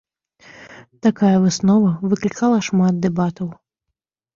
Такая выснова выклікала шмат дэбатаў.